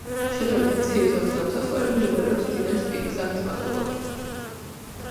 შედარებით მცირე ზომის ნამოსახლარები მდებარეობს მდინარის პირას ან მის მახლობლად.